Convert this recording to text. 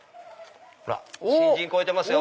ほら新人超えてますよ。